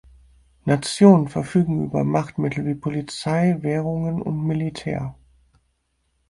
Nationen verfügen über Machtmittel wie Polizei, Währungen und Militär.